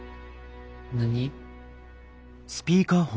何？